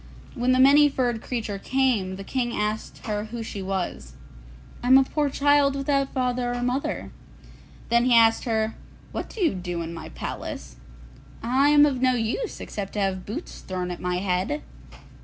When the Many furred Creature came, the King asked her who she was. 'I am a poor child without father or mother.' Then he asked her, 'What do you do in my palace?' 'I am of no use except to have boots thrown at my head.